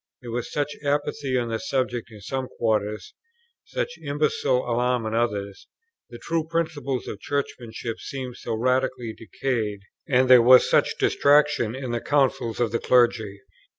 there was such apathy on the subject in some quarters, such imbecile alarm in others; the true principles of Churchmanship seemed so radically decayed, and there was such distraction in the councils of the Clergy.